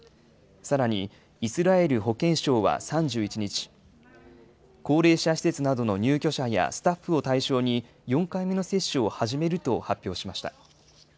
さらに、イスラエル保健省は３１日、高齢者施設などの入居者やスタッフを対象に４回目の接種を始めると発表しました。